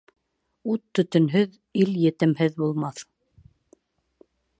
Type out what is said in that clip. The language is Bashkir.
Ут төтөнһөҙ, ил етемһеҙ булмаҫ.